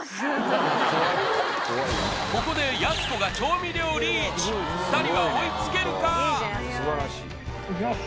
ここでやす子が調味料リーチ２人は追いつけるか？